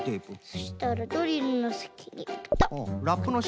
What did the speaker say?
そしたらドリルのさきにペタッ。